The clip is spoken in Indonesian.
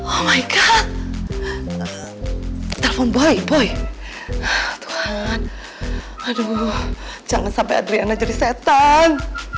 oh my god telepon boy boy tuhan aduh jangan sampai adriana jadi setan